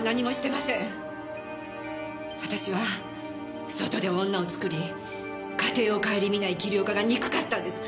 私は外で女を作り家庭を顧みない桐岡が憎かったんです！